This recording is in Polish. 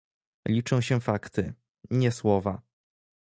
Liczą się fakty, nie słowa